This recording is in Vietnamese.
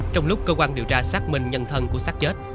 trong lúc cơ quan điều tra xác minh nhân thân của sát chết